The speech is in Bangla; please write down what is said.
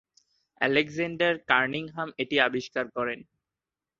আলেকজান্ডার কানিংহাম এটি আবিষ্কার করেন।